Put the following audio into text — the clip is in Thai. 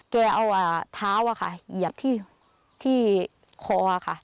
แกเอาเท้าเหยียบที่คอค่ะ